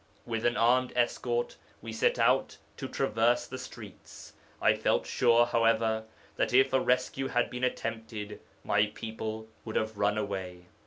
With an armed escort we set out to traverse the streets. I feel sure, however, that if a rescue had been attempted my people would have run away.